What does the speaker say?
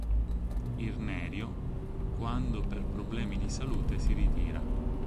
Irnerio, quando per problemi di salute si ritira.